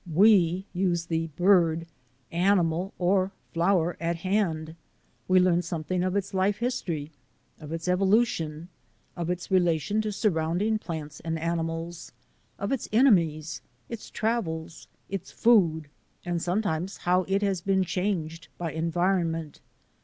We use the bird, animal, or flower at hand. We learn something of its life history, of its evolution; of its relation to surrounding plants and animals; of its enemies, its travels, its food; and sometimes how it has been changed by environment.